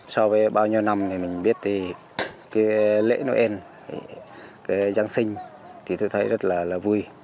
so với bao nhiêu năm mình biết thì lễ noel giáng sinh thì tôi thấy rất là vui